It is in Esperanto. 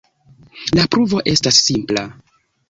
La pruvo estas simpla.